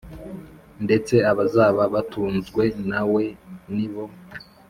Ndetse abazaba batunzwe na we ni bo